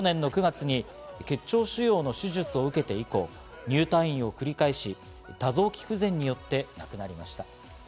去年の９月に結腸腫瘍の手術を受けて以降、入退院を繰り返し、多臓器不全によって亡くなりました。